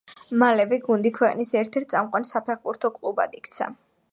მალე გუნდი ქვეყნის ერთ-ერთ წამყვან საფეხბურთო კლუბად იქცა.